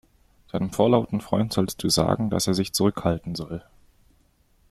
Deinem vorlauten Freund solltest du sagen, dass er sich zurückhalten soll.